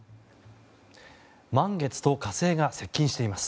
満月と火星が接近しています。